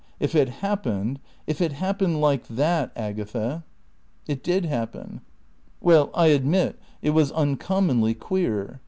If it happened if it happened like that, Agatha ..." "It did happen." "Well, I admit it was uncommonly queer."